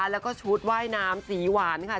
แล้วก็ชุดว่ายน้ำสีหวานค่ะ